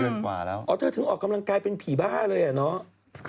กว่าแล้วอ๋อเธอถึงออกกำลังกายเป็นผีบ้าเลยอ่ะเนาะ